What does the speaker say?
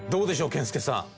健介さん。